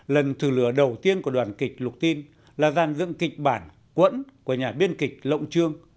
lần thử lửa đầu tiên của đoàn kịch lục tin là dàn dựng kịch bản quẫn của nhà biên kịch lộng trương